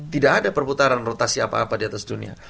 tidak ada perputaran rotasi apa apa di atas dunia